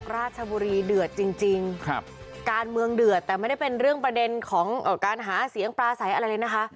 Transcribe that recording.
ราชบุรีเดือดจริงการเมืองเดือดแต่ไม่ได้เป็นเรื่องประเด็นของการหาเสียงปลาใสอะไรเลยนะคะ